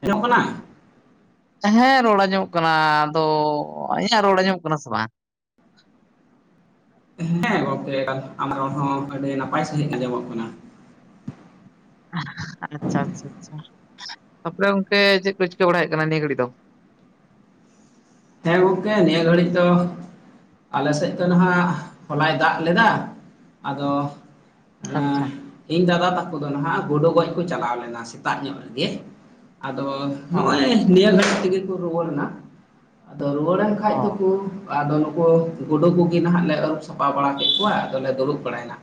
ᱦᱤᱡᱚᱜ ᱠᱟᱱᱟ [unintelligible] ᱦᱮᱸ ᱨᱚᱲᱟ ᱧᱚᱜ ᱠᱟᱱᱟ ᱟᱫᱚ ᱤᱧᱟᱹᱜ ᱨᱚᱲ ᱧᱚᱜ ᱠᱟᱱᱟ ᱥᱮ ᱵᱟᱝ? ᱦᱮᱸ ᱜᱚᱝᱠᱮ ᱟᱢᱟᱜ ᱨᱚᱲ ᱦᱚᱸ ᱟᱹᱰᱤ ᱱᱟᱯᱟᱭ ᱥᱟᱺᱦᱤᱡ ᱟᱸᱡᱚᱢᱚᱜ ᱠᱟᱱᱟ᱾ ᱟᱪᱪᱷᱟ ᱟᱪᱪᱷᱟᱷᱟ ᱛᱟᱯᱚᱨᱮ ᱜᱚᱝᱠᱮ ᱪᱮᱫ ᱠᱚ ᱪᱤᱠᱟᱹ ᱵᱟᱲᱟᱭᱮᱫ ᱠᱟᱱᱟ ᱱᱤᱭᱟᱹ ᱜᱷᱟᱹᱲᱤᱡ ᱫᱚ? ᱦᱮᱸ ᱜᱚᱝᱠᱮ ᱱᱤᱭᱟᱹ ᱜᱷᱟᱹᱲᱤᱡ ᱫᱚ ᱟᱞᱮᱥᱮᱫ ᱫᱚ ᱱᱟᱦᱟᱜ ᱦᱚᱞᱟᱭ ᱫᱟᱜ ᱞᱮᱫᱟ ᱟᱫᱚ ᱟᱪᱪᱷᱟ᱾ ᱮᱸ ᱤᱧ ᱫᱟᱫᱟ ᱛᱟᱠᱚ ᱫᱚ ᱱᱟᱦᱟᱜ ᱜᱩᱰ ᱜᱚᱡ ᱠᱚ ᱪᱟᱞᱟᱣ ᱞᱮᱱᱟ ᱥᱮᱛᱟᱜ ᱧᱚᱜ ᱨᱮᱜᱮ ᱟᱫᱚ ᱚ ᱱᱚᱜᱚᱭ ᱱᱤᱭᱟᱹ ᱜᱷᱟᱟᱹᱲᱤᱡ ᱛᱮᱜᱮ ᱠᱚ ᱨᱩᱣᱟᱹᱲᱮ ᱮᱱᱟ ᱟᱫᱚ ᱨᱩᱣᱟᱹᱲ ᱮᱱ ᱚ ᱠᱷᱟᱡ ᱫᱚᱠᱚ ᱟᱫᱚ ᱱᱩᱠᱩ ᱜᱩᱰᱩ ᱠᱚᱜᱮ ᱱᱟᱦᱟᱜ ᱞᱮ ᱟᱹᱨᱩᱵ ᱥᱟᱯᱷᱟᱹ ᱵᱟᱲᱟ ᱠᱮᱫ ᱠᱚᱣᱟ ᱟᱫᱚ ᱞᱮ ᱫᱩᱲᱩᱵ ᱵᱟᱲᱟᱭ ᱮᱱᱟ᱾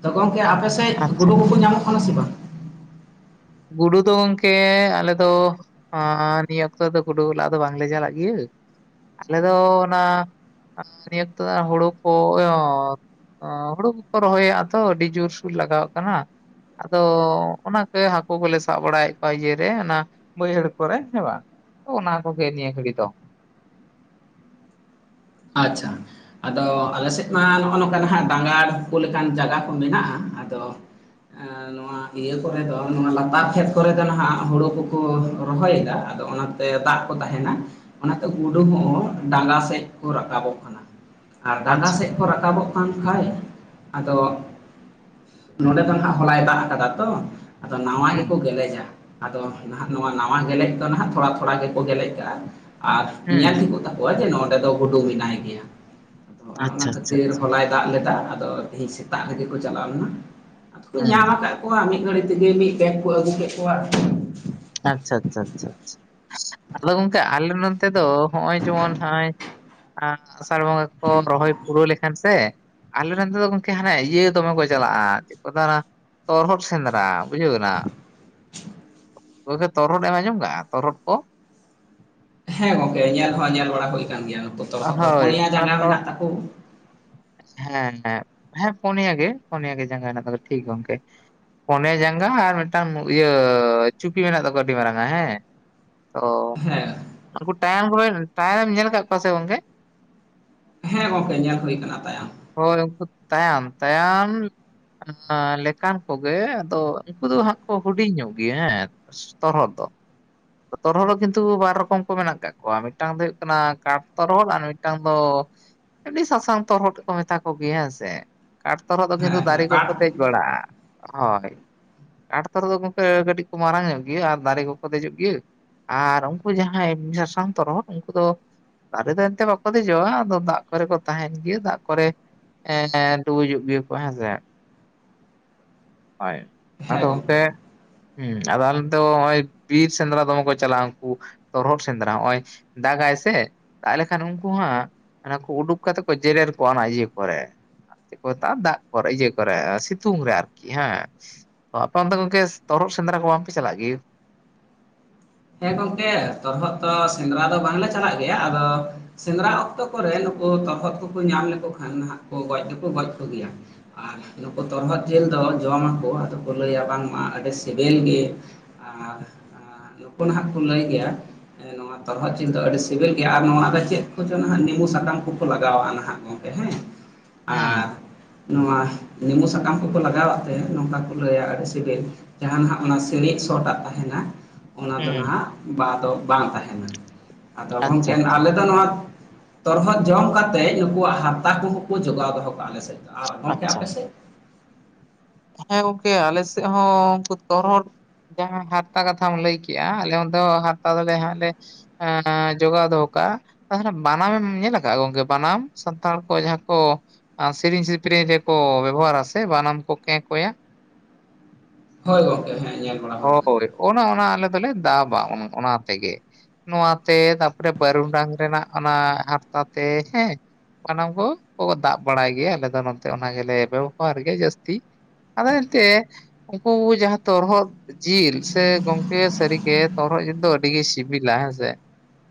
ᱟᱫᱚ ᱜᱚᱢᱠᱮ ᱟᱯᱮᱥᱮᱫ ᱟᱪᱪᱷᱟ ᱜᱩᱰᱩ ᱠᱳᱠᱚ ᱧᱟᱢᱚᱜ ᱠᱟᱱᱟ ᱥᱮ ᱵᱟᱝ? ᱜᱩᱰᱩ ᱫᱚ ᱜᱚᱢᱠᱮ ᱟᱞᱮ ᱫᱚ ᱱᱤᱭᱟᱹ ᱚᱠᱛᱚ ᱫᱚ ᱜᱩᱰᱩ ᱞᱟ ᱫᱚ ᱵᱟᱝᱞᱮ ᱪᱟᱞᱟᱜ ᱜᱮᱭᱟ ᱟᱞᱮ ᱫᱚ ᱚᱱᱟ ᱱᱤᱭᱟᱹᱛ ᱦᱩᱲᱩ ᱠᱚ ᱦᱩᱲᱩ ᱠᱚᱠᱚ ᱨᱚᱦᱚᱭᱟ ᱛᱚ ᱟᱹᱰᱤ ᱡᱳᱨᱥᱳᱨ ᱞᱟᱜᱟᱣᱟᱜ ᱠᱟᱱᱟ᱾ ᱟᱫᱚ ᱚᱱᱟᱠ ᱦᱟᱹᱠᱩ ᱠᱚᱞᱮ ᱥᱟᱵ ᱵᱟᱲᱟᱭᱮᱫ ᱠᱚᱣᱟ ᱤᱭᱟᱹᱨᱮ ᱚᱱᱟ ᱵᱟᱹᱭᱦᱟᱹᱲ ᱠᱚᱨᱮ ᱦᱮᱸ ᱵᱟᱝ ᱚᱱᱟ ᱠᱚᱜᱮ ᱱᱤᱭᱟᱹ ᱜᱷᱟᱹᱲᱤᱡ ᱫᱚ᱾ ᱟᱪᱷᱟ᱾ ᱟᱫᱚ ᱟᱞᱮᱥᱮᱫ ᱢᱟ ᱱᱚᱜᱼᱚ ᱱᱚᱝᱠᱟ ᱱᱟᱟᱜ ᱰᱟᱸᱜᱟᱲ ᱠᱚ ᱞᱮᱠᱟᱱ ᱡᱟᱭᱜᱟ ᱠᱚ ᱢᱮᱱᱟᱜᱼᱟ ᱟᱫᱚ [inaudible] ᱮᱸ ᱱᱚᱣᱟ ᱤᱭᱟᱹ ᱠᱚᱨᱮ ᱫᱚ ᱱᱚᱣᱟ ᱞᱟᱛᱟᱨ ᱠᱷᱮᱛ ᱠᱚᱨᱮ ᱫᱚ ᱱᱟᱦᱟᱜ ᱦᱳᱲᱳ ᱠᱚᱠᱚ ᱨᱚᱦᱚᱭᱮᱫᱟ ᱟᱫᱚ ᱚᱱᱟ ᱛᱮ ᱫᱟᱜ ᱠᱚ ᱛᱟᱦᱮᱱᱟ ᱚᱱᱟᱛᱮ ᱜᱩᱰᱩ ᱠᱚᱸ ᱦᱚᱸ ᱰᱟᱸᱜᱟ ᱥᱮᱡ ᱠᱚ ᱨᱟᱠᱟᱵᱚᱜ ᱠᱟᱱᱟ ᱟᱨ ᱰᱟᱸᱜᱟ ᱟᱪᱪᱷᱟ ᱥᱮᱫ ᱠᱚ ᱨᱟᱠᱟᱵᱚᱜ ᱠᱟᱱ ᱠᱷᱟᱡ ᱟᱫᱚ ᱱᱚᱰᱮ ᱫᱚ ᱱᱟᱦᱟᱜ ᱦᱚᱞᱟᱭ ᱫᱟᱜ ᱟᱠᱟᱫᱟ ᱛᱚ ᱟᱫᱚ ᱱᱟᱶᱟ ᱜᱮ ᱦᱩᱸ ᱠᱚ ᱜᱮᱞᱮᱡᱟ ᱟᱫᱚ ᱱᱟᱦᱟᱜ ᱱᱚᱶᱟ ᱱᱟᱶᱟ ᱜᱮᱞᱮᱡ ᱫᱚ ᱱᱟᱦᱟᱜ ᱛᱷᱚᱲᱟ ᱛᱷᱚᱲᱟ ᱜᱮᱠᱚ ᱜᱮᱞᱮᱡ ᱠᱟᱜᱼᱟ ᱟᱨ ᱦᱩᱸ ᱧᱮᱞ ᱛᱷᱤᱠᱚ ᱛᱟᱠᱚᱣᱟ ᱱᱚᱜ-ᱚᱭ ᱡᱮ ᱱᱚᱸᱰᱮ ᱫᱚ ᱜᱩᱰᱩ ᱢᱮᱱᱟᱭ ᱜᱮᱭᱟ, ᱚᱱᱮ ᱚᱱᱟ ᱟᱪᱪᱷᱟ ᱟᱪᱪᱷᱟ ᱠᱷᱟᱹᱛᱤᱨ ᱜᱮ ᱟᱪᱪᱷᱟ ᱦᱚᱞᱟᱭ ᱫᱟᱜ ᱞᱮᱫᱟ ᱟᱫᱚ ᱛᱮᱦᱮᱧ ᱥᱮᱛᱟᱜ ᱨᱮ ᱜᱮ ᱠᱚ ᱪᱟᱞᱟᱣ ᱞᱮᱱᱟ ᱟᱫᱚ ᱠᱚ ᱧᱟᱢ ᱦᱩᱸ ᱟᱠᱟᱫ ᱞᱳᱣᱟ ᱢᱤᱫ ᱜᱷᱟᱹᱲᱤᱡ ᱛᱮᱜᱮ ᱢᱤᱫ ᱵᱮᱜᱽ ᱠᱚ ᱟᱹᱜᱩ ᱠᱮᱫ ᱠᱚᱣᱟ ᱟᱪᱷᱟ ᱟᱪᱷᱟ ᱟᱷᱟ ᱟᱫᱚ ᱜᱚᱝᱠᱮ ᱟᱞᱮ ᱱᱚᱛ ᱫᱚ ᱱᱚᱜᱼᱚᱭ ᱡᱮᱢᱚᱱ ᱱᱚᱜᱼᱚᱭ ᱟᱸ.. ᱟᱥᱟᱲ ᱵᱚᱸᱜᱟ ᱠᱚ ᱨᱚᱦᱚᱭ ᱯᱩᱨᱟᱹᱣ ᱞᱮᱠᱷᱟᱱ ᱥᱮ ᱟᱞᱮ ᱨᱮᱱ ᱫᱚ ᱜᱚᱢᱠᱮ ᱦᱟᱱᱮ ᱤᱭᱟᱹ ᱫᱚᱢᱮ ᱠᱚ ᱪᱟᱞᱟᱜᱼᱟ ᱪᱮᱫ ᱠᱚ ᱫ...... ᱛᱚᱨᱦᱚᱫ ᱥᱮᱸᱫᱽᱨᱟ ᱵᱩᱡᱷᱟᱹᱣᱜ ᱠᱟᱱᱟ ᱜᱚᱝᱠᱮ ᱛᱚᱨᱚᱦᱚᱫ ᱮᱢ ᱟᱸᱡᱚᱢ ᱟᱠᱟᱜᱼᱟ ᱛᱚᱨᱚᱦᱚᱫ ᱠᱚ? ᱦᱮᱸ ᱜᱚᱝᱠᱮ ᱧᱮᱞ ᱦᱚᱸ ᱧᱮᱞ ᱵᱟᱲᱟ ᱦᱩᱭ ᱟᱠᱟᱱ ᱜᱮᱭᱟ ᱱᱩᱠᱩ ᱛᱚᱨᱚᱦᱚᱫ ᱫᱚ ᱦᱳᱭ ᱯᱚᱱᱭᱟ ᱚᱱᱟ ᱡᱟᱸᱜᱟ ᱛᱚ ᱢᱮᱱᱟᱜ ᱛᱟᱠᱚ ᱦᱮᱸ ᱦᱮᱸ, ᱦᱮᱸ ᱯᱩᱱᱭᱟ ᱜᱮ ᱯᱩᱱᱭᱟ ᱜᱮ ᱡᱟᱸᱜᱟ ᱟᱱᱟ ᱠᱚ ᱴᱷᱤᱠ ᱜᱮ ᱜᱚᱝᱠᱮ ᱯᱚᱱᱮ ᱡᱟᱸᱜᱟ ᱟᱨ ᱢᱤᱫᱴᱟᱝ ᱤᱭᱟᱹ ᱪᱩᱯᱤ ᱢᱮᱱᱟᱜ ᱛᱟᱠᱚᱣᱟ ᱟᱹᱰᱤ ᱢᱟᱨᱟᱝ ᱦᱮᱸ ᱚᱻ.. ᱦᱮᱸ... ᱩᱱᱠᱩ ᱴᱟᱭᱟᱝ ᱠᱚ ᱴᱟᱭᱟᱝ ᱮᱢ ᱧᱮᱞ ᱟᱠᱟᱫ ᱠᱚᱣᱟ ᱥᱮ ᱜᱚᱝᱠᱮ? ᱦᱮᱸ ᱜᱚᱝᱠᱮ ᱧᱮᱞ ᱦᱩᱭ ᱟᱠᱟᱱᱟ ᱛᱟᱭᱟᱝ ᱦᱚᱭ ᱩᱱᱠᱩ ᱛᱟᱭᱟᱝ, ᱛᱟᱭᱟᱝ [unintelligible] ᱞᱮᱠᱟᱱ ᱠᱚᱜᱮ ᱟᱫᱚ ᱩᱱᱠᱩ ᱫᱚ ᱦᱟᱸᱜ ᱠᱚ ᱦᱩᱰᱤᱧ ᱧᱚᱜ ᱜᱮᱭᱟ ᱦᱮᱸ [unintelligible] ᱛᱚᱨᱦᱟᱫ ᱫᱚ ᱛᱚᱨᱦᱚᱫ ᱫᱚ ᱠᱤᱱᱛᱩ ᱵᱟᱨ ᱨᱚᱠᱚᱢ ᱠᱚ ᱢᱮᱱᱟᱜ ᱠᱟᱜ ᱠᱚᱣᱟ ᱢᱤᱫᱴᱟᱝ ᱫᱚ ᱦᱩᱭᱩᱜ ᱠᱟᱱᱟ ᱠᱟᱴ ᱛᱚᱨᱚᱦᱚᱫ ᱟᱨ ᱢᱤᱫᱴᱟᱝ ᱫᱚ ᱟᱹᱰᱤ ᱥᱟᱥᱟᱝ ᱛᱚᱨᱦᱚᱫ ᱦᱚᱸ ᱠᱚ ᱢᱮᱛᱟ ᱠᱚ ᱜᱮᱭᱟ ᱦᱮᱸ ᱥᱮ ᱠᱟᱴ ᱛᱚᱨᱚᱦᱚᱫ ᱫᱚ ᱠᱤᱱᱛᱩ ᱦᱮᱸ ᱦᱮᱸ ᱫᱟᱨᱮ ᱠᱟᱴ ᱠᱚᱠᱚ ᱫᱮᱡ ᱜᱲᱟᱜ ᱦᱳᱭ ᱠᱟᱴ ᱛᱚᱨᱦᱚᱫ ᱜᱚᱢᱠᱮ ᱠᱟᱹᱴᱤᱡ ᱠᱚ ᱢᱟᱨᱟᱝ ᱧᱚᱜ ᱜᱮᱭᱟ ᱟᱨ ᱫᱟᱨᱮ ᱠᱚᱠᱚ ᱫᱮᱡᱚᱜ ᱜᱮᱭ.... ᱤᱭᱟᱹ ᱟᱨ ᱩᱱᱠᱩ ᱡᱟᱦᱟᱸᱭ ᱥᱟᱥᱟᱝ ᱛᱚᱨᱦᱚᱫ ᱩᱱᱠᱩ ᱫᱚ ᱫᱟᱨᱮ ᱫᱚ ᱮᱱᱛᱮ ᱵᱟᱠᱚ ᱫᱮᱡᱚᱜᱼᱟ ᱟᱫᱚ ᱫᱟᱜ ᱠᱚᱨᱮ ᱠᱚ ᱛᱟᱦᱮᱱ ᱜᱮᱭᱟ. ᱫᱟᱜ ᱠᱚᱨᱮ ᱮᱸᱻ ᱰᱩᱵᱩᱡᱚᱜ ᱜᱮᱭᱟ. ᱠᱚ ᱦᱮᱸᱥᱮ ᱦᱳᱭ ᱦᱮᱸ ᱟᱫᱚ ᱜᱚᱝᱠᱮ ᱚᱱᱛᱮ ᱦᱮᱸ ᱟᱫᱚ ᱟᱞᱮ ᱫᱚ ᱱᱚᱜ ᱚᱭ ᱵᱤᱨ ᱥᱮᱸᱫᱮᱨᱟ ᱫᱚᱢᱮ ᱠᱚ ᱪᱟᱞᱟᱜ-ᱟ ᱩᱱᱠᱩ ᱛᱚᱨᱦᱚᱫ ᱥᱮᱸᱫᱮᱨᱟ ᱱᱚᱜ-ᱚᱭ ᱫᱟᱜᱟᱭ ᱥᱮ ᱛᱟᱦᱚᱞᱮ ᱠᱷᱟᱱ ᱩᱱᱠᱩ ᱦᱟᱸᱜ ᱚᱱᱟ ᱠᱷᱩ ᱩᱰᱩᱠ ᱠᱟᱛᱮ ᱠᱚ ᱡᱮᱨᱮᱨ ᱠᱚᱜ-ᱟ ᱚᱱᱟ ᱤᱭᱟᱹ ᱠᱚᱨᱮ ᱪᱮᱫ ᱠᱚ ᱢᱮᱛᱟᱜ-ᱟ ᱫᱟᱜ ᱠᱚᱨᱮ ᱤᱭᱟᱹ ᱠᱚᱨᱮ ᱥᱤᱛᱩᱝ ᱨᱮ ᱟᱨᱠᱤ ᱠᱤ ᱦᱮᱸᱻ ᱛᱚ ᱟᱯᱮ ᱚᱱᱛᱮ ᱜᱚᱝᱠᱮ ᱛᱚᱨᱦᱚᱫ ᱥᱮᱸᱫᱽᱨᱟ ᱠᱚ ᱵᱟᱝᱯᱮ ᱪᱟᱞᱟᱜ ᱜᱮᱭᱟ? ᱦᱮᱸ ᱜᱚᱢᱠᱮ ᱛᱚᱨᱚᱦᱚᱫ ᱛᱚ ᱥᱮᱸᱫᱨᱟ ᱫᱚ ᱵᱟᱝᱞᱮ ᱪᱟᱞᱟᱜ ᱜᱮᱭᱟ ᱟᱫᱚ ᱥᱮᱸᱫᱨᱟ ᱚᱠᱛᱚ ᱠᱚᱨᱮ ᱱᱩᱠᱩ ᱛᱚᱨᱚᱦᱚᱫ ᱠᱚᱠᱚ ᱧᱟᱢ ᱞᱮᱠᱚ ᱠᱷᱟᱱ ᱱᱟᱦᱟᱜ ᱜᱚᱡ ᱫᱚᱠᱚ ᱜᱚᱡ ᱠᱚ ᱜᱮᱭᱟ ᱟᱨ ᱱᱩᱠᱩ ᱛᱚᱨᱦᱚᱫ ᱡᱤᱞ ᱫᱚ ᱡᱚᱢ ᱟᱠᱚ ᱟᱫᱚ ᱠᱚ ᱞᱟᱹᱭᱟ ᱵᱟᱝᱢᱟ ᱟᱹᱰᱤ ᱥᱤᱵᱤᱞ ᱜᱮ ᱟᱨ... ᱯᱟ. ᱱᱟᱦᱟᱸᱜ ᱠᱚ ᱞᱟᱹᱭ ᱜᱮᱭᱟ ᱱᱚᱣᱟ ᱛᱚᱨᱦᱚᱫ ᱡᱤᱞ ᱫᱚ ᱟᱹᱰᱤ ᱥᱤᱵᱤᱞ ᱜᱮᱭᱟ ᱟᱨ ᱱᱚᱶᱟᱨᱮ ᱪᱮᱫ ᱠᱚ ᱪᱚᱸ ᱱᱟᱦᱟᱜ ᱱᱤᱸᱵᱩ ᱥᱟᱠᱟᱢ ᱠᱚᱠᱚ ᱞᱟᱜᱟᱣᱟᱜ-ᱟ ᱱᱟᱦᱟᱜ ᱜᱚᱢᱠᱮ ᱦᱮᱸ [inaudible] ᱟᱨ ᱱᱚᱣᱟ ᱱᱮᱸᱵᱩ ᱥᱟᱠᱟᱢ ᱠᱚᱠᱚ ᱞᱟᱜᱟᱣᱟᱜ ᱛᱮ ᱱᱚᱝᱠᱟ ᱠᱚ ᱞᱟᱹᱭᱟ ᱟᱹᱰᱤ ᱥᱤᱵᱤᱞ ᱡᱟᱦᱟᱸ ᱱᱟᱦᱟᱜ ᱚᱱᱟ ᱥᱤᱬᱤᱡ ᱥᱳ ᱴᱟᱜ ᱛᱟᱦᱮᱱᱟ ᱚᱱᱟ ᱫᱚ ᱦᱩᱸ ᱱᱟᱦᱟᱜ ᱵᱟ ᱫᱚ ᱵᱟᱝ ᱛᱟᱦᱮᱱᱟ ᱟᱫᱚ ᱟᱪᱪᱷᱟ ᱜᱚᱢᱠᱮ ᱟᱪᱪᱷᱟ ᱟᱞᱮ ᱫᱚ ᱱᱚᱶᱟ ᱛᱚᱨᱦᱚᱫ ᱡᱚᱢ ᱠᱟᱛᱮ ᱩᱱᱩᱠᱩᱣᱟᱜ ᱦᱟᱨᱛᱟ ᱠᱚᱦᱚᱸ ᱠᱚ ᱡᱚᱜᱟᱣ ᱫᱚᱦᱚ ᱠᱟᱜ-ᱟ ᱟᱞᱮ ᱥᱮᱫ ᱫᱚ, ᱟᱨ ᱚᱱᱛᱮ ᱟᱪᱪᱷᱟ ᱟᱯᱮ ᱥᱮᱫ? ᱦᱮᱸ ᱜᱚᱢᱠᱮ ᱟᱞᱮ ᱥᱮᱫ ᱦᱚᱸ ᱩᱱᱠᱩ ᱛᱚᱨᱦᱚᱫ ᱡᱟᱦᱟᱸ ᱦᱟᱨᱛᱟ ᱠᱟᱛᱷᱟᱢ ᱞᱟᱹᱭ ᱠᱮᱜ-ᱟ ᱟᱞᱮ ᱫᱚ ᱦᱟᱨᱛᱟ ᱫᱚ ᱞᱮ ᱦᱟᱸᱜ ᱞᱮ ᱟᱸᱻ ᱡᱚᱜᱟᱣ ᱫᱚᱦᱚ ᱠᱟᱜ-ᱟ ᱛᱟᱦᱚᱞᱮ ᱵᱟᱱᱟᱢ ᱮᱢ ᱧᱮᱞ ᱟᱠᱟᱜ-ᱟ ᱜᱚᱢᱠᱮ ᱵᱟᱱᱟᱢ ᱥᱟᱱᱛᱟᱲ ᱠᱚ ᱡᱟᱦᱟᱸ ᱠᱚ ᱟᱨ ᱥᱮᱨᱮᱧ ᱥᱤᱯᱨᱮᱧ ᱨᱮ ᱠᱚ ᱵᱮᱵᱚᱦᱟᱨ-ᱟ ᱥᱮ ᱵᱟᱱᱟᱢ ᱠᱚ ᱠᱮᱸ ᱠᱚᱭᱟ ᱦᱳᱭ ᱜᱚᱝᱠᱮ ᱧᱮᱞ ᱵᱟᱲᱟ ᱦᱩᱭ ᱟᱠᱟᱱ ᱦᱳᱭ ᱜᱮᱭᱟ ᱚᱱᱮ ᱚᱱᱟ ᱟᱞᱮ ᱫᱚᱞᱮ ᱫᱟᱵᱟ ᱚᱱᱟ ᱛᱮᱜᱮ ᱱᱚᱣᱟ ᱛᱮ ᱛᱟᱨᱯᱚᱨᱮ ᱵᱟᱹᱨᱩᱰᱟᱝ ᱨᱮᱱᱟᱜ ᱚᱱᱟ ᱦᱟᱨᱛᱟ ᱛᱮ ᱦᱮᱸ ᱥᱟᱱᱟᱢ ᱠᱚᱠᱚ ᱫᱟᱯ ᱵᱟᱲᱟᱭ ᱜᱮᱭᱟ ᱟᱞᱮ ᱫᱚ ᱱᱚᱛᱮ ᱚᱱᱟ ᱜᱮᱞᱮ ᱵᱮᱵᱚᱦᱟᱨ ᱜᱮᱭᱟ ᱡᱟᱹᱥᱛᱤ ᱟᱫᱚ ᱮᱱᱛᱮ ᱩᱱᱠᱩ ᱡᱟᱦᱟᱸ ᱛᱚᱨᱚᱦᱚᱫ ᱡᱤᱞ ᱥᱮ ᱜᱚᱝᱠᱮ ᱥᱟᱹᱨᱤ ᱜᱮ ᱛᱚᱨᱦᱚᱫ ᱡᱤᱞ ᱫᱚ ᱟᱹᱰᱤ ᱜᱮ ᱥᱤᱵᱤᱞᱟ ᱦᱮᱸᱥᱮ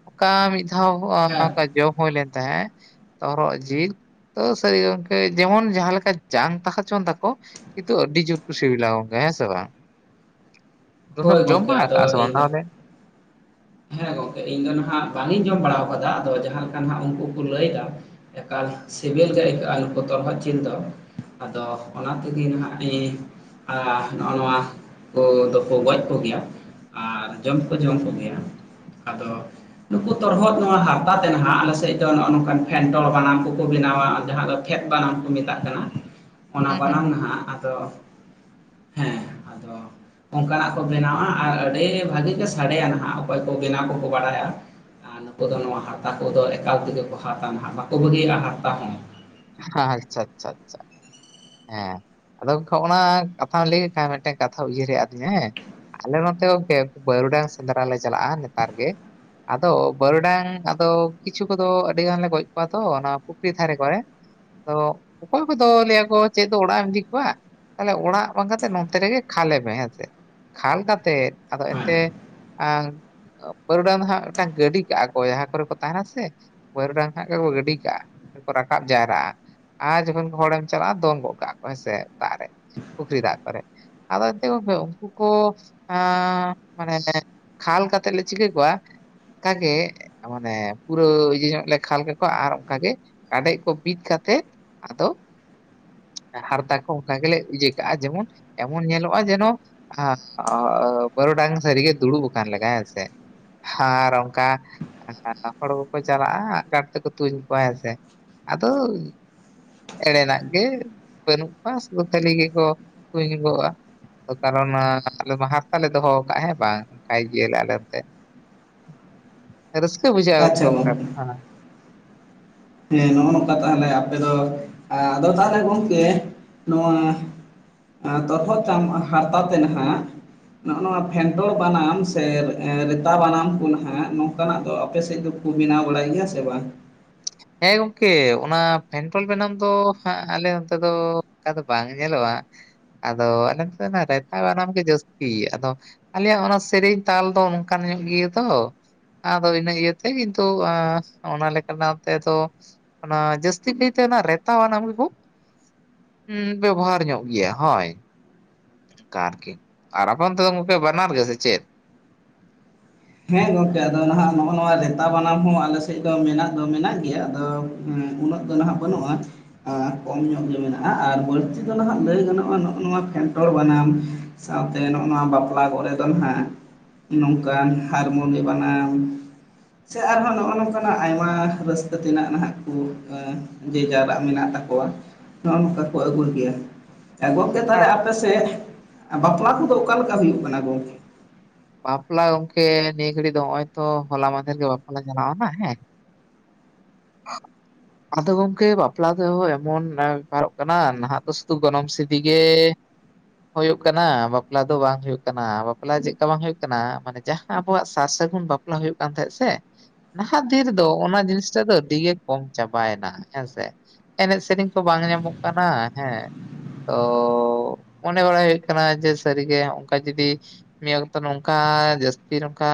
ᱚᱱᱠᱟ ᱢᱤᱫ ᱫᱷᱟᱣ ᱦᱮᱸ ᱚᱱᱠᱟ ᱡᱚᱢ ᱦᱩᱭᱞᱮᱱ ᱛᱟᱦᱮᱸᱫ ᱛᱚᱨᱦᱚᱜ ᱡᱤᱞ ᱛᱚ ᱥᱟᱹᱨᱤ ᱜᱚᱝᱠᱮ ᱡᱮᱢᱚᱱ ᱡᱟᱦᱟᱸ ᱞᱮᱠᱟ ᱡᱟᱝ ᱛᱟᱦᱮᱸ ᱦᱚᱪᱚᱱ ᱛᱟᱠᱚ ᱠᱤᱱᱛᱩ ᱟᱹᱰᱤ ᱡᱳᱨ ᱠᱩ ᱥᱤᱵᱤᱞᱟ ᱦᱮᱸ ᱥᱮ ᱵᱟᱝ ᱟᱢ ᱫᱚᱢ ᱦᱳᱭ ᱡᱚᱢ ᱜᱚᱢᱠᱮ ᱵᱟᱲᱟ ᱟᱫᱚ ᱠᱟᱜᱼᱟ ᱥᱮ ᱤᱧ ᱵᱟᱝ ᱫᱚ ᱛᱟᱦᱚᱞᱮ ᱦᱮᱸ ᱜᱚᱝᱠᱮ ᱤᱧ ᱫᱚᱱᱟᱜ ᱵᱟᱝ ᱤᱧ ᱡᱚᱢ ᱵᱟᱲᱟ ᱟᱠᱟᱫᱟ ᱟᱫᱚ ᱡᱟᱦᱟᱸ ᱞᱮᱠᱟ ᱱᱟᱜ ᱩᱱᱠᱩ ᱠᱚ ᱞᱟᱹᱭ ᱮᱫᱟ ᱮᱠᱟᱞ ᱥᱤᱵᱤᱞ ᱜᱮ ᱟᱹᱭᱠᱟᱹᱜ-ᱟ ᱱᱩᱠᱩ ᱛᱚᱨᱦᱚᱫ ᱡᱤᱞ ᱫᱚ ᱟᱫᱚ ᱚᱱᱟ ᱛᱮᱜᱮ ᱱᱟᱦᱜ ᱤᱧ ᱱᱚᱜ-ᱚ ᱱᱚᱣᱟ ᱠᱚ ᱫᱚᱠᱚ ᱜᱚᱡ ᱠᱚ ᱜᱮᱭᱟ ᱟᱨ ᱡᱚᱢ ᱦᱚᱸᱠᱚ ᱡᱚᱢ ᱠᱚ ᱜᱮᱭᱟ ᱟᱫᱚ ᱱᱩᱠᱩ ᱛᱚᱨᱦᱚᱫ ᱱᱚᱣᱟ ᱦᱟᱨᱛᱟ ᱛᱮ ᱱᱟᱦᱟᱜ ᱟᱞᱮ ᱥᱮᱫ ᱫᱚ ᱱᱚᱜ-ᱚ ᱱᱚᱝᱠᱟᱱ ᱯᱷᱮᱱᱴᱚᱲ ᱵᱟᱱᱟᱢ ᱠᱚᱠᱚ ᱵᱮᱱᱟᱣ-ᱟ ᱡᱟᱦᱟᱸ ᱫᱚ ᱯᱷᱮᱫ ᱵᱟᱱᱟᱢ ᱠᱚ ᱢᱮᱛᱟᱜ ᱠᱟᱱᱟ ᱚᱱᱟ ᱦᱩᱸ ᱦᱩᱸ ᱵᱟᱱᱟᱢ ᱦᱩᱸ ᱱᱟᱦᱟᱜ ᱟᱫᱚ ᱦᱮᱸ ᱟᱫᱚ ᱚᱱᱠᱟᱱᱟᱜ ᱠᱚ ᱵᱮᱱᱟᱣ-ᱟ ᱟᱨ ᱟᱹᱰᱤ ᱵᱷᱟᱹᱜᱤ ᱜᱮ ᱥᱟᱰᱮᱭᱟ ᱱᱟᱦᱟᱜ ᱚᱠᱚᱭ ᱠᱚ ᱵᱮᱱᱟᱣ ᱠᱚ ᱠᱚ ᱵᱟᱲᱟᱭᱟ ᱟᱨ ᱱᱩᱠᱩ ᱫᱚ ᱱᱚᱣᱟ ᱦᱟᱨᱛᱟ ᱠᱚ ᱫᱚ ᱮᱠᱟᱞ ᱛᱮᱜᱮ ᱠᱚ ᱦᱟᱛᱟ ᱱᱟᱦᱟᱜ ᱵᱟᱠᱚ ᱵᱟᱹᱜᱤᱭᱟᱜᱼᱟ ᱦᱟᱨᱛᱟ ᱦᱚᱸ ᱟᱪᱷᱟ ᱟᱪᱷᱟ ᱟᱪᱷᱟ ᱦᱮᱸ ᱟᱫᱚ ᱠᱷᱟᱱ ᱚᱱᱟ ᱠᱟᱛᱷᱟᱢ ᱞᱟᱹᱭ ᱠᱮᱫ ᱠᱷᱟᱱ ᱢᱤᱫᱴᱟᱝ ᱠᱟᱛᱷᱟ ᱩᱭᱦᱟᱹᱨ ᱦᱮᱡ ᱟᱫᱤᱧᱟ ᱦᱮᱸ ᱟᱞᱮ ᱱᱚᱛᱮ ᱜᱚᱝᱠᱮ ᱵᱟᱹᱨᱩᱰᱟᱝ ᱥᱮᱸᱫᱽᱨᱟ ᱞᱮ ᱪᱟᱞᱟᱜᱼᱟ ᱱᱮᱛᱟᱨ ᱜᱮ ᱟᱫᱚ ᱵᱟᱹᱨᱩᱰᱟᱝ ᱟᱫᱚ ᱠᱤᱪᱷᱩ ᱠᱚᱫᱚ ᱟᱹᱰᱤ ᱜᱟᱱ ᱞᱮ ᱜᱚᱡ ᱠᱚᱣᱟ ᱛᱚ ᱚᱱᱟ ᱯᱩᱠᱷᱨᱤ ᱛᱷᱟᱨᱮ ᱠᱚᱨᱮ᱾ ᱟᱫᱚ ᱚᱠᱚᱭ ᱠᱚᱫᱚ ᱞᱟᱹᱭᱟ ᱠᱚ ᱪᱮᱫ ᱫᱚ ᱚᱲᱟᱜ ᱮᱢ ᱤᱫᱤ ᱠᱚᱣᱟ ᱛᱟᱦᱚᱞᱮ ᱚᱲᱟᱜ ᱵᱟᱝ ᱠᱟᱛᱮ ᱱᱚᱛᱮ ᱨᱮᱸᱜᱮ ᱠᱷᱟᱞᱮ ᱢᱮ ᱦᱮᱸᱥᱮ ᱠᱷᱟᱞ ᱠᱟᱛᱮᱜ ᱟᱫᱚ ᱦᱮᱸ ᱮᱱᱛᱮ ᱟᱝ ᱵᱟᱹᱨᱩᱰᱟᱝ ᱫᱚ ᱦᱟᱸᱜ ᱢᱤᱫᱴᱟᱝ ᱜᱟᱹᱰᱤ ᱠᱟᱜ-ᱟ ᱠᱚ ᱡᱟᱦᱟᱸ ᱠᱚᱨᱮ ᱠᱚ ᱛᱟᱦᱮᱸᱱᱟ ᱥᱮ ᱵᱟᱹᱨᱩᱰᱟᱝ ᱦᱟᱸᱜ ᱜᱮᱠᱚ ᱜᱟᱹᱰᱤ ᱠᱟᱜ-ᱟ ᱨᱟᱠᱟᱵ ᱡᱟᱣᱨᱟᱜᱼᱟ ᱟᱨ ᱡᱚᱠᱷᱚᱱ ᱦᱚᱲᱮᱢ ᱪᱟᱞᱟᱜ-ᱟ ᱫᱚᱱ ᱜᱚᱫ ᱠᱟᱜ ᱠᱚᱣᱟ ᱦᱮᱸᱥᱮ ᱫᱟᱜ ᱨᱮ ᱯᱩᱠᱷᱨᱤ ᱫᱟᱜ ᱠᱚᱨᱮ ᱟᱫᱚ ᱮᱱᱛᱮ ᱜᱚᱝᱠᱮ ᱩᱱᱠᱩ ᱠᱚ [inaudible] ᱢᱟᱱᱮ᱾ ᱠᱷᱟᱞ ᱠᱟᱛᱮᱜ ᱞᱮ ᱪᱤᱠᱟᱹ ᱠᱚᱣᱟ᱾ ᱚᱱᱠᱟᱜ ᱜᱮ ᱢᱟᱱᱮ ᱯᱩᱨᱟᱹ ᱤᱭᱟᱹ ᱧᱚᱜ ᱞᱮ ᱠᱷᱟᱞ ᱠᱮᱹᱠᱚᱣᱟ ᱟᱨ ᱚᱱᱠᱟ ᱜᱮ ᱠᱟᱰᱮᱡ ᱠᱚ ᱵᱤᱫ ᱠᱟᱛᱮᱫ ᱟᱫᱚ ᱦᱟᱨᱛᱟ ᱠᱚ ᱚᱱᱠᱟ ᱜᱮᱞᱮ ᱤᱭᱟᱹ ᱠᱟᱜᱼᱟ ᱡᱮᱢᱚᱱ ᱮᱢᱚᱱ ᱧᱮᱞᱚᱜᱼᱟ ᱡᱮᱱᱚ᱾ ᱦᱮᱸᱟ ᱵᱟᱨᱩᱵᱟᱝ ᱥᱟᱹᱨ ᱜᱮ ᱫᱩᱲᱩᱹᱵ ᱟᱠᱟᱱ ᱞᱮᱠᱟ ᱦᱚᱸ ᱥᱮ ᱦᱸ ᱟᱨ ᱚᱱᱠᱟ ᱦᱚᱲ ᱠᱚᱠᱚ ᱪᱟᱞᱟᱜᱼᱟ ᱜᱟᱴ ᱛᱮᱠᱚ ᱛᱩᱧ ᱠᱚᱣᱟ ᱦᱮᱸ ᱥᱮ ᱟᱫᱚ ᱮᱲᱮᱱᱟᱜ ᱜᱮ ᱵᱟᱹᱱᱩᱜ ᱠᱚᱣᱟ ᱥᱩᱫᱩ ᱠᱷᱟᱹᱞᱤ ᱜᱮᱠᱚ [unintelligible] ᱠᱩᱣᱚᱜᱼᱟ ᱠᱟᱨᱚᱱ ᱟᱞᱮ ᱢᱟ ᱦᱟᱨᱛᱟ ᱞᱮ ᱫᱚᱦᱚ ᱟᱠᱟᱫᱼᱟ ᱦᱮᱸ ᱵᱟᱝ ᱚᱱᱠᱟᱭ ᱜᱮᱭᱟᱹᱞᱮ ᱟᱞᱮ ᱱᱚᱛᱮ ᱨᱟᱹᱥᱠᱟᱹ ᱵᱩᱡᱷᱟᱹᱜᱼᱟ ᱟᱪᱪᱷᱟ ᱜᱚᱝᱹᱠᱮ ᱚᱱᱠᱟ ᱫᱚ ᱜᱚᱝᱠᱮ ᱦᱮᱸ ᱦᱮᱸ ᱱᱚᱜᱼᱚ ᱱᱚᱝᱠᱟ ᱛᱟᱦᱚᱞᱮ ᱟᱯᱮ ᱫᱚ ᱟᱫᱚ ᱛᱟᱦᱚᱞᱮ ᱜᱚᱝᱠᱮ ᱱᱚᱣᱟ ᱛᱚᱨᱦᱚᱫ ᱪᱟᱢ ᱦᱟᱨᱛᱟ ᱛᱮ ᱱᱟᱦᱟ-ᱜ ᱱᱚᱜᱼᱚ ᱱᱚᱣᱟ ᱯᱷᱮᱱᱴᱚᱲ ᱵᱟᱱᱟᱢ ᱥᱮᱨ ᱮᱨ ᱨᱮᱛᱟ ᱵᱟᱱᱟᱢ ᱠᱚ ᱱᱟᱦᱟᱜ ᱱᱚᱝᱼᱠᱟᱱᱟᱜ ᱫᱚ ᱟᱯᱮ ᱥᱮᱫ ᱫᱚ ᱠᱚ ᱵᱮᱱᱟᱣ ᱵᱟᱲᱟ-ᱭ ᱜᱮᱭᱟ ᱥᱮ ᱵᱟᱝ ᱦᱮᱸ ᱜᱚᱝᱠᱮ ᱚᱱᱟ ᱯᱮᱱᱴᱚᱞ ᱵᱟᱱᱟᱢ ᱫᱚ ᱦᱟᱸᱜ ᱟᱞᱮ ᱱᱚᱱᱛᱮ ᱫᱚ ᱚᱱᱠᱟ ᱫᱚ ᱵᱟᱝ ᱧᱮᱞᱚᱜᱼᱟ ᱟᱫᱚ ᱟᱯᱮ ᱱᱚᱛᱮ ᱫᱚ ᱨᱮᱛᱟᱵᱟᱱᱟᱢ ᱜᱮ ᱡᱟᱹᱥᱛᱤ ᱟᱫᱚ ᱟᱞᱮᱭᱟᱜ ᱚᱱᱟ ᱥᱮᱨᱮᱧ ᱛᱟᱞ ᱫᱚ ᱚᱱᱠᱟᱱ ᱧᱚᱜ ᱜᱮᱭᱟ ᱫᱚ᱾ ᱟᱫᱚ ᱤᱱᱟᱹ ᱤᱭᱟᱹ ᱛᱮ ᱠᱤᱱᱛᱩ ᱦᱮᱸ ᱚᱱᱟ ᱞᱮᱠᱟ ᱞᱟ ᱛᱮᱸ ᱫᱚ ᱚᱱᱟ ᱡᱟᱹᱥᱛᱤ ᱯᱤᱭ ᱛᱮ ᱚᱱᱟ ᱨᱮᱛᱟᱵᱟᱱᱟᱢ ᱜᱮ ᱦᱸ ᱵᱮᱵᱚᱦᱟᱨ ᱧᱚᱜ ᱜᱮᱭᱟ ᱦᱳᱭ ᱠᱟᱨ ᱠᱮ ᱟᱨ ᱟᱯᱮ ᱚᱱᱛᱮ ᱜᱚᱝᱠᱮ ᱵᱟᱱᱟᱨ ᱜᱮ ᱥᱮ ᱪᱮᱫ ᱦᱮᱸ ᱜᱚᱝᱠᱮ ᱟᱫᱚ ᱱᱟᱦᱟᱜ ᱱᱚᱜᱼᱚ ᱱᱚᱣᱟ ᱨᱮᱛᱟ ᱵᱟᱱᱟᱢ ᱦᱚᱸ ᱟᱞᱮ ᱥᱮᱫ ᱫᱚ ᱢᱮᱱᱟᱜ ᱫᱚ ᱢᱮᱱᱟᱜ ᱜᱮᱭᱟ ᱟᱫᱚ ᱦᱮᱸ ᱩᱱᱟᱹᱜ ᱫᱚ ᱦᱚᱸ ᱱᱟᱦᱟᱜ ᱵᱟᱹᱱᱩᱜᱼᱟ ᱾ ᱟᱨ ᱠᱚᱢ ᱧᱚᱜ ᱜᱮ ᱢᱮᱱᱟᱜᱼᱟ ᱟᱨ ᱵᱟᱹᱲᱛᱤ ᱫᱚ ᱱᱟᱦᱟᱜ ᱞᱟᱹᱭ ᱜᱟᱱᱚᱜᱼᱟ ᱱᱚᱜᱼᱚ ᱱᱚᱣᱟ ᱯᱷᱮᱱᱴᱲ ᱵᱟᱱᱟᱢ, ᱥᱟᱶᱛᱮ ᱱᱚᱜᱼᱚ ᱱᱚᱣᱟ ᱵᱟᱯᱞᱟ ᱠᱚᱨᱮ ᱫᱚ ᱱᱟᱦᱟᱜ ᱱᱚᱝᱼᱠᱟᱱ, ᱦᱟᱨᱢᱚᱱᱤ ᱵᱟᱱᱟᱢ᱾ ᱥᱮ ᱟᱨᱦᱚᱸ ᱱᱚᱜᱼᱚ ᱱᱚᱝᱼᱠᱟᱱᱟᱜ ᱟᱭᱢᱟ ᱨᱟᱹᱥᱠᱟᱹ ᱛᱮᱱᱟᱜ ᱱᱟᱦᱟᱜ ᱠᱩ ᱮᱸ ᱡᱮᱡᱟᱨ ᱟᱜ ᱢᱮᱱᱟᱜ ᱛᱟᱠᱚᱣᱟ ᱱᱚᱜᱼᱚ ᱱᱚᱝᱠᱟ ᱠᱚ ᱟᱹᱜᱩ ᱠᱮᱜᱼᱟ ᱾ ᱜᱚᱝᱠᱮ ᱛᱟᱦᱚᱞᱮ ᱟᱨ ᱟᱯᱮ ᱥᱮᱫ ᱵᱟᱯᱞᱟ ᱠᱚᱫᱚ ᱚᱠᱟᱞᱮᱠᱟ ᱦᱩᱭᱩᱜ ᱠᱟᱱᱟ ᱜᱚᱝᱠᱮ? ᱵᱟᱯᱞᱟ ᱜᱚᱝᱠᱮ ᱱᱤᱭᱟᱹ ᱜᱷᱟᱹᱲᱤᱡ ᱫᱚ ᱱᱚᱜᱼᱚᱭ ᱛᱚ ᱦᱚᱞᱟ ᱢᱟᱫᱷᱮᱨ ᱨᱮᱜᱮ ᱵᱟᱯᱞᱟ ᱪᱟᱞᱟᱣᱼᱟᱱᱟ ᱦᱮᱸ [inaudible] ᱟᱫᱚ ᱜᱚᱝᱠᱮ ᱵᱟᱯᱞᱟ ᱫᱚ ᱮᱢᱚᱱ ᱵᱮᱯᱟᱨᱚᱜ ᱠᱟᱱᱟ ᱱᱟᱦᱟᱜ ᱫᱚ ᱥᱩᱫᱷᱩ ᱜᱚᱱᱚᱝ ᱥᱤᱫᱤᱜ ᱜᱮ, ᱦᱳᱭᱳᱜ ᱠᱟᱱᱟ ᱵᱟᱯᱞᱟ ᱫᱚ ᱵᱟᱝ ᱦᱳᱭᱳᱜ ᱠᱟᱱᱟ ᱵᱟᱯᱞᱟ ᱪᱮᱜ ᱠᱟ ᱵᱟᱝ ᱦᱩᱭᱩᱜ ᱠᱟᱱᱟ ᱢᱟᱱᱮ ᱡᱟᱦᱟᱸ ᱟᱵᱚᱣᱟᱜ ᱥᱟᱨ ᱥᱟᱹᱜᱩᱱ ᱵᱟᱯᱞᱟ ᱦᱳᱭᱳᱜ ᱠᱟᱱ ᱛᱟᱦᱮᱸ ᱥᱮ, ᱱᱟᱦᱟᱜ ᱫᱤᱱ ᱨᱮᱫᱚ ᱚᱱᱟ ᱡᱤᱱᱤᱥᱴᱟ ᱫᱚ ᱟᱹᱰᱤ ᱜᱮ ᱠᱚᱢ ᱪᱟᱵᱟᱭᱮᱱᱟ ᱦᱮᱸ ᱥᱮ, ᱮᱱᱮᱡ ᱥᱮᱨᱮᱧ ᱠᱚ ᱵᱟᱝ ᱧᱟᱢᱚᱜ ᱠᱟᱱᱟ ᱦᱮᱸ, ᱛᱚ ᱢᱚᱱᱮ ᱵᱟᱲᱟᱭ ᱦᱩᱭᱩᱜ ᱠᱟᱱᱟ ᱡᱮ ᱥᱟᱹᱨᱤᱜᱮ ᱚᱱᱠᱟ ᱡᱩᱫᱤ, ᱢᱤᱫ ᱚᱠᱛᱚ ᱱᱚᱝᱠᱟ ᱡᱟᱹᱥᱛᱤ ᱱᱚᱝᱠᱟ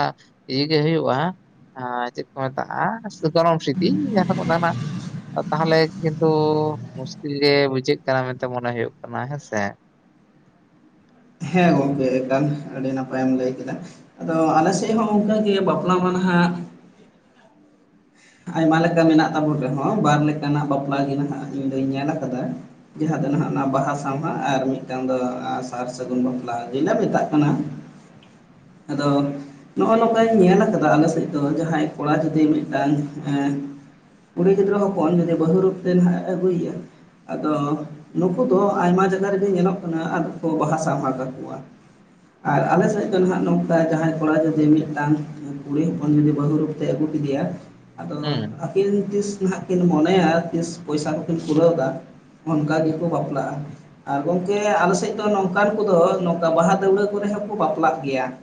ᱤᱭᱟᱹ ᱜᱮ ᱦᱩᱭᱩᱜᱼᱟ ᱾ ᱦᱟᱸ ᱪᱮᱫ ᱠᱚ ᱢᱮᱛᱟᱜᱼᱟ, ᱥᱮ ᱜᱚᱱᱚᱝ ᱥᱤᱫᱤ ᱡᱟᱦᱟᱸ ᱫᱚᱠᱚ ᱢᱮᱛᱟᱜ ᱠᱟᱱᱟ ᱛᱟᱦᱚᱞᱮ ᱠᱤᱱᱛᱩ ᱢᱩᱥᱠᱤᱞ ᱜᱮ ᱵᱩᱡᱷᱟᱹᱜ ᱠᱟᱱᱟ ᱢᱮᱱᱛᱮ ᱢᱚᱱᱮ ᱦᱩᱭᱩᱜ ᱠᱟᱱᱟ ᱦᱮᱸᱥᱮ, ᱦᱮᱸ ᱜᱚᱝᱠᱮ ᱮᱠᱟᱞ ᱟᱹᱰᱤ ᱱᱟᱯᱟᱭᱮᱢ ᱞᱟᱹᱭ ᱠᱮᱫᱟ ᱾ ᱟᱫᱚ ᱟᱞᱮᱥᱮᱫ ᱦᱚᱸ ᱚᱱᱠᱟᱜᱮ ᱵᱟᱯᱞᱟ ᱢᱟ ᱱᱟᱦᱟᱜ, ᱟᱭᱢᱟ ᱞᱮᱠᱟ ᱢᱮᱱᱟᱜ ᱛᱟᱵᱚᱱ ᱨᱮᱦᱚᱸ ᱵᱟᱨ ᱞᱮᱠᱟᱱᱟᱜ ᱵᱟᱯᱞᱟ ᱜᱮ ᱱᱟᱦᱟᱜ ᱤᱧ ᱫᱩᱧ ᱧᱮᱞ ᱟᱠᱟᱫᱟ ᱾ ᱡᱟᱦᱟᱸ ᱫᱚ ᱱᱟᱦᱟᱜ ᱚᱱᱟ ᱵᱟᱦᱟ ᱥᱟᱶᱦᱟ ᱟᱨ ᱢᱤᱫᱴᱟᱝ ᱫᱚ ᱥᱟᱨ ᱥᱟᱹᱜᱩᱱ ᱵᱟᱯᱞᱟ ᱡᱮ ᱢᱮᱛᱟᱜ ᱠᱟᱱᱟ ᱾ [inaudible] ᱟᱫᱚ ᱱᱚᱜᱼᱚᱭ ᱱᱚᱝᱠᱟᱧ ᱧᱮᱞ ᱟᱠᱟᱫᱟ ᱟᱞᱮ ᱥᱮᱫ ᱫᱚ ᱡᱟᱦᱟᱸᱭ ᱠᱚᱲᱟ ᱡᱩᱫᱤ ᱢᱤᱫᱴᱟᱝ, ᱮᱸ ᱠᱩᱲᱤ ᱜᱤᱫᱽᱨᱟᱹ ᱦᱚᱯᱚᱱ ᱡᱩᱫᱤ ᱵᱟᱹᱦᱩ ᱨᱩᱯ ᱛᱮ ᱱᱟᱦᱟᱜ ᱮ ᱟᱹᱜᱩᱭᱮᱭᱟ ᱾ ᱟᱫᱚ ᱱᱩᱠᱩ ᱫᱚ ᱟᱭᱢᱟ ᱡᱟᱭᱜᱟ ᱨᱮᱜᱮ ᱧᱮᱞᱚᱜ ᱠᱟᱱᱟ ᱟᱫᱚ ᱠᱚ ᱵᱟᱦᱟ ᱥᱟᱶᱦᱟ ᱠᱟᱠᱚᱣᱟ ᱾ ᱟᱨ ᱟᱞᱮ ᱥᱮᱫ ᱫᱚ ᱱᱟᱦᱟᱜ ᱱᱚᱝᱠᱟ ᱡᱟᱦᱟᱸᱭ ᱠᱚᱲᱟ ᱡᱩᱫᱤ ᱢᱤᱫᱴᱟᱝ ᱠᱩᱲᱤ ᱦᱚᱯᱚᱱ ᱡᱩᱫᱤ ᱵᱟᱹᱦᱩ ᱨᱩᱯ ᱛᱮ ᱟᱹᱜᱩ ᱠᱮᱫᱮᱭᱟ ᱟᱫᱚ, ᱦᱩᱸ ᱠᱤᱱ ᱛᱤᱥ ᱱᱟᱦᱟᱜ ᱠᱤᱱ ᱢᱚᱱᱮᱭᱟ ᱛᱤᱥ ᱯᱚᱭᱥᱟ ᱠᱚᱠᱤᱱ ᱯᱩᱨᱟᱹᱣ ᱮᱫᱟ ᱾ ᱚᱱᱠᱟ ᱜᱮᱠᱚ ᱵᱟᱯᱞᱟᱜᱼᱟ ᱾ ᱟᱨ ᱜᱚᱝᱠᱮ ᱟᱞᱮ ᱥᱮᱫ ᱫᱚ ᱱᱚᱝᱠᱟᱱ ᱠᱚᱫᱚ ᱱᱚᱝᱠᱟ ᱵᱟᱦᱟ ᱫᱟᱹᱣᱲᱟᱹ ᱠᱚᱨᱮ ᱦᱚᱸᱠᱚ ᱵᱟᱯᱞᱟᱜ ᱜᱮᱭᱟ ᱾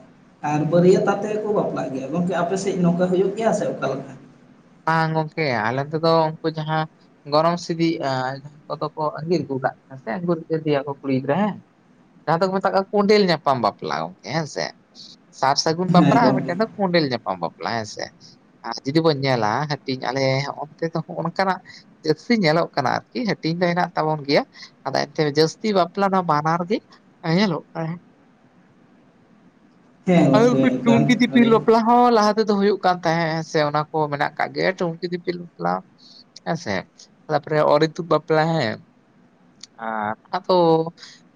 ᱟᱨ ᱵᱟᱹᱨᱭᱟᱹᱛ ᱟᱛᱮ ᱠᱚ ᱵᱟᱯᱞᱟᱜ ᱜᱮᱭᱟ ᱜᱚᱝᱠᱮ ᱟᱯᱮᱥᱮᱫ ᱱᱚᱝᱠᱟ ᱦᱩᱭᱩᱜ ᱜᱮᱭᱟ ᱥᱮ ᱚᱠᱟ ᱞᱮᱠ ᱵᱟᱝ ᱜᱚᱝᱠᱮ ᱟᱞᱮ ᱛᱮᱫᱚ ᱩᱱᱠᱩ ᱡᱟᱦᱟᱸ, ᱜᱚᱱᱚᱝ ᱥᱤᱫᱤ ᱡᱟᱦᱟᱸ ᱠᱚᱫᱚ ᱠᱚ ᱟᱸᱜᱤᱨ ᱟᱹᱜᱩ ᱠᱟᱜ ᱠᱟᱱᱟ ᱦᱮᱸᱥᱮ [unintelligible] ᱠᱚ ᱠᱩᱲᱤ ᱜᱤᱫᱽᱨᱟᱹ ᱦᱮᱸ ᱡᱟᱦᱟᱸ ᱫᱚᱠᱚ ᱢᱮᱛᱟᱜ ᱠᱚᱸᱰᱮᱞ ᱧᱟᱯᱟᱢ ᱵᱟᱯᱞᱟ ᱜᱚᱝᱠᱮ ᱦᱮᱸ ᱥᱮ, ᱥᱟᱨ ᱥᱟᱹᱜᱩᱱ ᱦᱮᱸ ᱵᱟᱯᱲᱟ ᱟᱨ ᱜᱚᱢᱠᱮ ᱢᱤᱫᱴᱮᱱ ᱠᱚᱸᱰᱮᱞ ᱧᱟᱯᱟᱢ ᱵᱟᱯᱞᱟ ᱦᱮᱸᱥᱮ ᱟᱨ ᱡᱩ ᱧᱮᱞᱟ ᱦᱟᱹᱴᱤᱧ ᱟᱞᱮ ᱦᱚᱸ ᱱᱚᱱᱛᱮ ᱫᱚ ᱚᱱᱠᱟᱱᱟᱜ, ᱡᱟᱹᱥᱛᱤ ᱧᱮᱞᱚᱜ ᱠᱟᱱᱟ ᱟᱨᱠᱤ ᱦᱟᱹᱴᱤᱧ ᱫᱚ ᱦᱮᱱᱟᱜ ᱛᱟᱵᱚᱱ ᱜᱮᱭᱟ ᱾ ᱟᱫᱚ ᱮᱱᱛᱮ ᱡᱟᱹᱥᱛᱤ ᱵᱟᱯᱞᱟ ᱫᱚ ᱵᱟᱱᱟᱨ ᱜᱮ ᱧᱮᱞᱚᱜ ᱠᱟᱱᱟ ᱾ ᱦᱮᱸ ᱜᱚᱢᱠᱮ [unintelligible] ᱮᱠᱟᱞ ᱴᱩᱱᱠᱤ ᱫᱤᱯᱤᱞ ᱟᱹᱰᱤ ᱵᱟᱯᱞᱟ ᱦᱚᱸ ᱞᱟᱦᱟ ᱛᱮᱫᱚ ᱦᱩᱭᱩᱜ ᱠᱟᱱ ᱛᱟᱦᱮᱸ ᱦᱮᱸᱥᱮ ᱚᱱᱟ ᱠᱚ ᱢᱮᱱᱟᱜ ᱟᱠᱟᱜ ᱜᱮ ᱴᱩᱝᱠᱤ ᱫᱤᱯᱤᱞ ᱵᱟᱯᱞᱟ ᱦᱚᱸ ᱦᱮᱸᱥᱮ ᱛᱟᱨᱯᱚᱨᱮ ᱚᱨᱤᱛᱩᱫ ᱵᱟᱯᱞᱟ ᱦᱮᱸ, ᱟᱨ ᱠᱟᱛᱷᱟ ᱫᱚ,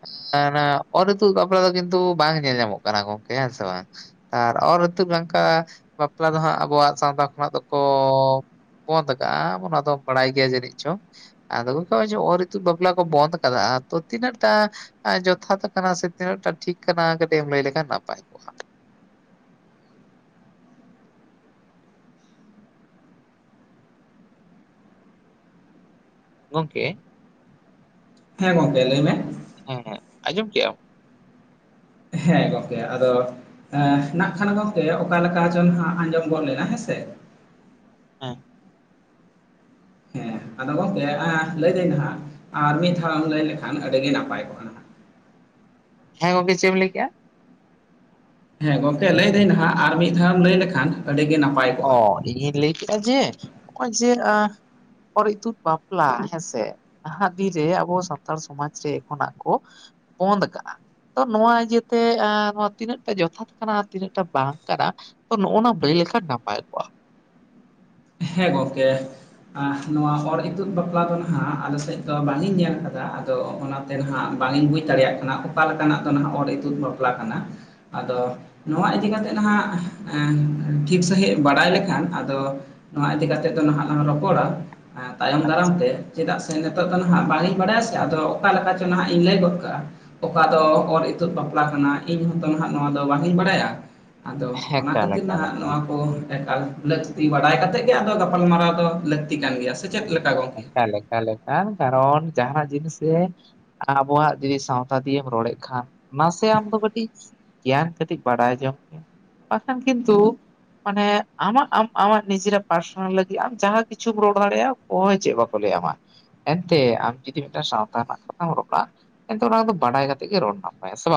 ᱮ ᱚᱱᱟ ᱚᱨ ᱤᱛᱩᱜ ᱵᱟᱯᱞᱟ ᱫᱚ ᱠᱤᱱᱛᱩ ᱵᱟᱝ ᱧᱮᱞ ᱧᱟᱢᱚᱜ ᱠᱟᱱᱟ ᱜᱚᱝᱠᱮ ᱦᱮᱸ ᱥᱮ ᱵᱟᱝ ᱟᱨ ᱚᱨ ᱤᱛᱩᱫ ᱱᱚᱝᱠᱟ ᱵᱟᱯᱞᱟ ᱫᱚ ᱦᱟᱸᱜ ᱟᱵᱚᱣᱟᱜ ᱥᱟᱶᱛᱟ ᱠᱷᱚᱱᱟᱜ ᱫᱚᱠᱚ ᱵᱚᱱᱫ ᱠᱟᱜᱼᱟ ᱚᱱᱟ ᱫᱚ ᱵᱟᱲᱟᱭ ᱜᱮᱭᱟ ᱡᱟᱹᱱᱤᱡ ᱪᱚᱝ, ᱟᱫᱚ ᱜᱚᱢᱠᱮ ᱚᱨ ᱨᱤᱛᱩ ᱵᱟᱯᱞᱟ ᱠᱚ ᱵᱚᱱᱫᱽ ᱟᱠᱟᱫᱟ ᱛᱚ ᱛᱤᱱᱟᱹᱜᱴᱟ ᱡᱚᱛᱷᱟᱛ ᱠᱟᱱᱟ ᱥᱮ ᱛᱤᱱᱟᱹᱜ ᱴᱟ ᱴᱷᱤᱠ ᱠᱟᱱᱟ ᱠᱟᱹᱴᱤᱡ ᱮᱢ ᱞᱟᱹᱭ ᱞᱮᱠᱷᱟᱱ ᱱᱟᱯᱟᱭ ᱠᱚᱜᱼᱟ ᱾ ᱜᱚᱝᱠᱮ, ᱦᱮᱸ ᱜᱚᱝᱠᱮ ᱞᱟᱹᱭ ᱢᱮ, ᱦᱮᱸ ᱦᱮᱸ ᱟᱸᱡᱚᱢ ᱠᱮᱫᱟᱢ ᱦᱮᱸ ᱜᱚᱝᱠᱮ ᱟᱫᱚ ᱱᱟᱜ ᱠᱷᱟᱱ ᱜᱚᱝᱠᱮ ᱚᱠᱟᱞᱮᱠᱟ ᱡᱚᱝ ᱦᱟᱜ ᱟᱸᱡᱚᱢ ᱜᱚᱱ ᱞᱮᱱᱟ ᱦᱮᱸᱥᱮ ᱦᱮᱸ ᱦᱮᱸ ᱟᱫᱚ ᱜᱚᱝᱠᱮ ᱞᱟᱹᱭᱫᱟᱹᱧ ᱦᱟᱸᱜ ᱟᱨ ᱢᱤᱫ ᱫᱷᱟᱣᱮᱢ ᱞᱟᱹᱭ ᱞᱮᱠᱷᱟᱱ ᱟᱹᱰᱤᱜᱮ ᱱᱟᱯᱟᱭ ᱠᱚᱜ-ᱟ ᱦᱮᱸ ᱜᱚᱝᱠᱮ ᱪᱮᱫ ᱮᱢ ᱞᱟᱹᱭ ᱠᱮᱜ-ᱟ ᱦᱮᱸ ᱜᱚᱝᱠᱮ ᱞᱟᱹᱭᱫᱟᱹᱧ ᱱᱟᱦᱟᱜ ᱟᱨ ᱢᱤᱫ ᱫᱷᱟᱣᱮᱢ ᱞᱟᱹᱭ ᱞᱮᱠᱷᱟᱱ ᱟᱹᱰᱤ ᱜᱮ ᱱᱟᱯᱟᱭ ᱚ ᱠᱚᱜᱼᱟ ᱤᱧᱤᱧ ᱞᱟᱹᱭ ᱠᱮᱫᱟ ᱡᱮ ᱱᱚᱜ-ᱚᱭ ᱡᱮ ᱚᱨ ᱤᱛᱩᱜ ᱵᱟᱯᱞᱟ ᱦᱮᱸᱥᱮ ᱱᱟᱦᱟᱜ ᱫᱤᱱ ᱨᱮ ᱟᱵᱚ ᱥᱟᱱᱛᱟᱲ ᱥᱚᱢᱟᱡᱽ ᱨᱮ ᱮᱠᱷᱚᱱᱟᱜ ᱠᱚ ᱵᱚᱱᱫ ᱠᱟᱜ-ᱟ ᱛᱚ ᱱᱚᱣᱟ ᱤᱭᱟᱹᱛᱮ ᱱᱚᱣᱟ ᱛᱤᱱᱟᱹᱜᱴᱟ ᱡᱚᱛᱷᱟᱛ ᱠᱟᱱᱟ ᱛᱤᱱᱟᱹᱜᱴᱟ ᱵᱟᱝ ᱠᱟᱱᱟ ᱛᱚ ᱱᱚᱜ-ᱚᱱᱟ ᱵᱤᱱ ᱞᱟᱹᱭ ᱞᱮᱠᱷᱟᱱ ᱱᱟᱯᱟᱭ ᱠᱚᱜ-ᱟ ᱦᱮᱸ ᱜᱚᱝᱠᱮ ᱱᱚᱣᱟ ᱚᱨ ᱤᱛᱩᱫ ᱵᱟᱯᱞᱟ ᱫᱚ ᱱᱟᱦᱟᱜ ᱟᱞᱮᱥᱮᱫ ᱫᱚ ᱵᱟᱝ ᱤᱧ ᱧᱮᱞ ᱟᱠᱟᱫᱟ ᱟᱫᱚ ᱚᱱᱟ ᱛᱮ ᱱᱟᱦᱟᱜ ᱵᱟᱞᱤᱧ ᱵᱩᱡᱽ ᱫᱟᱲᱮᱭᱟᱜ ᱠᱟᱱᱟ ᱚᱠᱟ ᱞᱮᱠᱟᱱᱟᱜ ᱫᱚ ᱱᱟᱦᱟᱜ ᱚᱨ ᱤᱛᱩᱫ ᱵᱟᱯᱞᱟ ᱠᱟᱱᱟ ᱟᱫᱚ ᱱᱚᱣᱟ ᱤᱫᱤ ᱠᱟᱛᱮᱜ ᱱᱟᱦᱟᱜ ᱴᱷᱤᱠ ᱥᱟᱺᱦᱤᱡ ᱵᱟᱲᱟᱭ ᱞᱮᱠᱷᱟᱱ ᱟᱫᱚ ᱱᱚᱣᱟ ᱤᱫᱤ ᱠᱟᱛᱮᱜ ᱫᱚ ᱱᱟᱦᱟᱜ ᱞᱟᱝ ᱨᱚᱯᱚᱲᱟ ᱛᱟᱭᱚᱢ ᱟᱪᱪᱷᱟ ᱫᱟᱨᱟᱢ ᱛᱮ ᱪᱮᱫᱟᱜ ᱥᱮ ᱱᱤᱛᱚᱜ ᱫᱚ ᱱᱟᱦᱟᱜ ᱵᱟᱝᱤᱧ ᱵᱟᱲᱟᱭ ᱥᱮ ᱟᱫᱚ ᱚᱠᱟ ᱞᱮᱠᱟ ᱪᱚᱝ ᱱᱟᱦᱟᱜ ᱤᱧ ᱞᱟᱹᱭ ᱜᱚᱫ ᱠᱟᱜᱼᱟ ᱚᱠᱟ ᱫᱚ ᱚᱨ ᱤᱛᱩᱫ ᱵᱟᱯᱞᱟ ᱠᱟᱱᱟ ᱤᱧ ᱦᱚᱸᱛᱚ ᱱᱟᱦᱟᱜ ᱱᱚᱣᱟ ᱫᱚ ᱵᱟᱝ ᱤᱧ ᱵᱟᱲᱟᱭᱟ ᱟᱫᱚ ᱚᱱᱟ ᱮᱠᱟᱞ ᱠᱷᱟᱹᱛᱤᱨ ᱮᱠᱟᱞ ᱱᱟᱦᱟᱜ ᱮᱠᱟᱞ᱾ ᱱᱚᱣᱟ ᱠᱚ ᱮᱠᱟᱞ ᱞᱟᱹᱠᱛᱤ ᱵᱟᱰᱟᱭ ᱠᱟᱛᱮᱫ ᱜᱮ ᱟᱫᱚ ᱜᱟᱯᱟᱞᱢᱟᱨᱟᱣ ᱫᱚ ᱞᱟᱹᱠᱛᱤ ᱠᱟᱱ ᱜᱮᱭᱟ ᱥᱮ ᱪᱮᱫ ᱞᱮᱠᱟ ᱜᱚ ᱮᱠᱟᱞ ᱮᱠᱟᱞ ᱮᱠᱟᱞ ᱠᱟᱨᱚᱱ ᱡᱟᱦᱟᱸ ᱡᱤᱱᱤᱥᱮ ᱟᱵᱚᱣᱟᱜ ᱡᱩᱫᱤ ᱥᱟᱶᱛᱟ ᱫᱤᱭᱮᱢ ᱨᱚᱲᱮᱫ ᱠᱷᱟᱱ ᱱᱟᱥᱮ ᱟᱢ ᱫᱚ ᱠᱟᱹᱴᱤᱡ ᱜᱮᱭᱟᱱ ᱠᱟᱹᱴᱤᱡ ᱵᱟᱲᱟᱭ ᱡᱚᱝ ᱯᱮ ᱵᱟᱠᱷᱟᱱ ᱠᱤᱱᱛᱩ ᱢᱟᱱᱮ ᱟᱢᱟᱜ ᱟᱢ ᱟᱢᱟᱜ ᱱᱤᱡᱮᱨᱟᱜ ᱯᱟᱨᱥᱚᱱᱟᱞ ᱞᱟᱹᱜᱤᱫ ᱟᱢ ᱡᱟᱦᱟᱸ ᱠᱤᱪᱷᱩᱢ ᱨᱚᱲ ᱫᱟᱲᱮᱭᱟᱜ-ᱟ ᱚᱠᱚᱭ ᱪᱮᱫ ᱵᱟᱠᱚ ᱞᱟᱹᱭᱟ ᱢᱟ ᱮᱱᱛᱮ ᱟᱢ ᱡᱩᱫᱤ ᱢᱤᱫᱴᱟᱝ ᱥᱟᱶᱛᱟ ᱨᱮᱱᱟᱜ ᱠᱟᱛᱷᱟᱢ ᱨᱚᱲᱟ ᱮᱱᱛᱮ ᱚᱱᱟ ᱫᱚ ᱵᱟᱰᱟᱭ ᱠᱟᱛᱮ ᱜᱮ ᱨᱚᱲ ᱱᱟᱯᱟᱭᱟ ᱥᱮ ᱵᱟᱝ